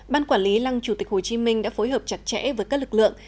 ban quản lý lăng chủ tịch hồ chí minh đã phối hợp chặt chẽ với các lực lượng